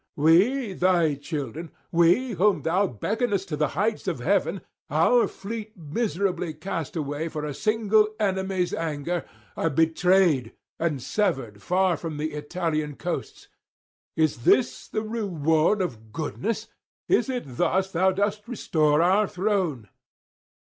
We, thy children, we whom thou beckonest to the heights of heaven, our fleet miserably cast away for a single enemy's anger, are betrayed and severed far from the Italian coasts. Is this the reward of goodness? Is it thus thou dost restore our throne?'